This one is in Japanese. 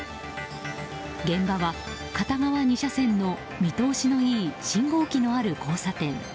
現場は、片側２車線の見通しのいい信号機のある交差点。